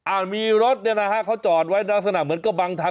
มีรถเนี่ยนะฮะเขาจอดไว้ลักษณะเหมือนก็บังทาง